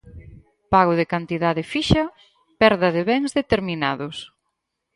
Pago de cantidade fixa, perda de bens determinados.